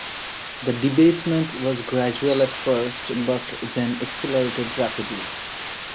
The debasement was gradual at first, but then accelerated rapidly.